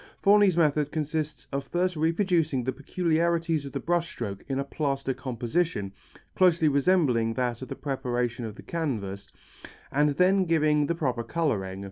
Forni's method consists of first reproducing the peculiarities of the brush strokes in a plaster composition closely resembling that of the preparation of the canvas, and then giving the proper colouring.